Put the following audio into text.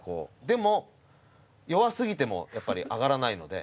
でも弱すぎてもやっぱり上がらないので。